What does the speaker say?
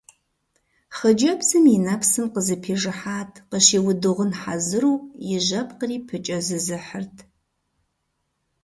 Хъыджэбзым и нэпсым къызэпижыхьат, къыщиуду гъын хьэзыру, и жьэпкъри пыкӀэзызыхьырт.